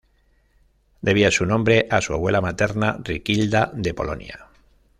Debía su nombre a su abuela materna Riquilda de Polonia.